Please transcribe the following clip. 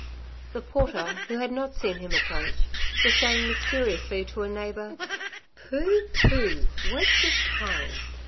The porter, who had not seen him approach, was saying mysteriously to a neighbour : "Pooh, pooh, waste of time.